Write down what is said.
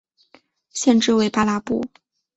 县治为巴拉布。